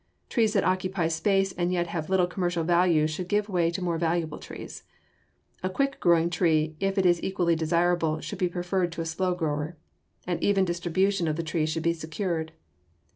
Trees that occupy space and yet have little commercial value should give way to more valuable trees. A quick growing tree, if it is equally desirable, should be preferred to a slow grower. An even distribution of the trees should be secured.